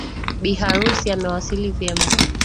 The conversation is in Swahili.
Bi arusi amewasili vyema.